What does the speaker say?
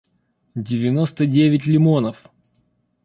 девяносто девять лимонов